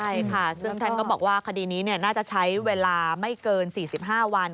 ใช่ค่ะซึ่งท่านก็บอกว่าคดีนี้น่าจะใช้เวลาไม่เกิน๔๕วัน